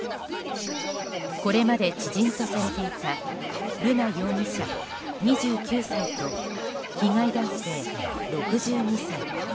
これまで知人とされていた瑠奈容疑者、２９歳と被害男性、６２歳。